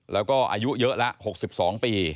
แล้วก็อายุเยอะแล้ว๖๒ปี